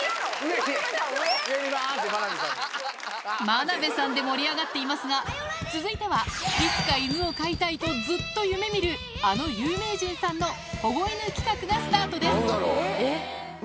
真鍋さんで盛り上がっていますが続いては「いつか犬を飼いたい」とずっと夢見るあの有名人さんの保護犬企画がスタートです